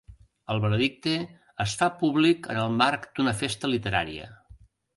El veredicte es fa públic en el marc d'una festa literària.